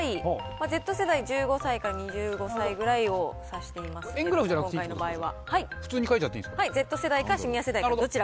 Ｚ世代、１５歳から２５歳くらいを指しています、この場合は。